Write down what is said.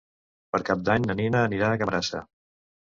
Per Cap d'Any na Nina anirà a Camarasa.